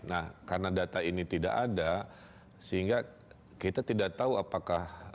nah karena data ini tidak ada sehingga kita tidak tahu apakah